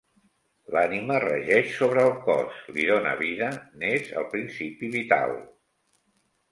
L'ànima regeix sobre el cos, li dona vida, n'és el principi vital.